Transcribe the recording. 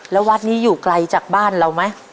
แล้ววัดนี้อยู่ไกลจากบ้านเราไหม